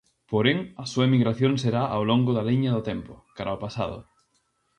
Porén, a súa emigración será ao longo da liña do tempo, cara ao pasado.